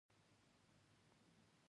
فوسال یا کوچنی فوټبال ډېر پرمختګ کړی.